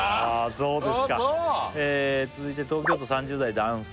そう続いて東京都３０代男性